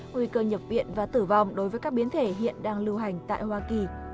nguy cơ nhập viện và tử vong đối với các biến thể hiện đang lưu hành tại hoa kỳ